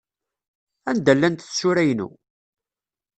Anda llant tsura-inu?